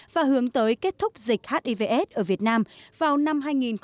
và hướng tới kết thúc dịch hivs ở việt nam vào năm hai nghìn hai mươi